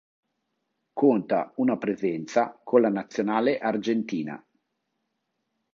Conta una presenza con la Nazionale argentina.